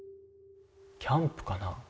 キャンプかな？